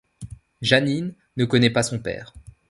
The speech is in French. Janine ne connaît pas son père.